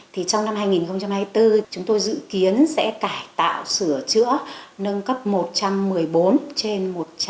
trong năm hai nghìn hai mươi bốn chúng tôi dự kiến sẽ cải tạo sửa chữa nâng cấp một trăm một mươi bốn trên một trăm sáu mươi